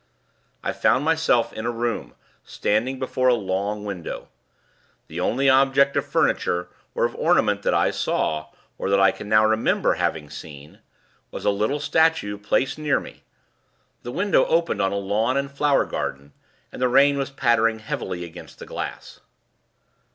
I found myself in a room, standing before a long window. The only object of furniture or of ornament that I saw (or that I can now remember having seen) was a little statue placed near me. The window opened on a lawn and flower garden; and the rain was pattering heavily against the glass.